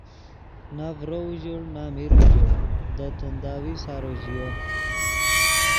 نہ ڤرو اوژڑ نہ میر اوژڑ دے تنداوی سارو ژیو